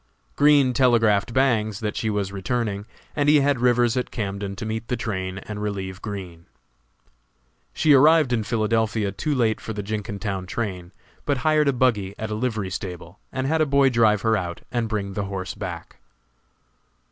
Green telegraphed Bangs that she was returning, and he had Rivers at Camden to meet the train and relieve Green. She arrived in Philadelphia too late for the Jenkintown train, but hired a buggy at a livery stable, and had a boy drive her out and bring the horse back.